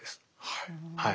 はい。